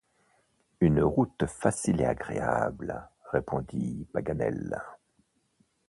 Une route facile et agréable, répondit Paganel.